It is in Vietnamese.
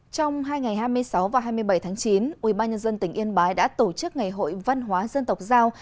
trong hai ngày hai mươi sáu và hai mươi bảy tháng chín ubnd tỉnh yên bái đã tổ chức ngày hội văn hóa dân tộc giao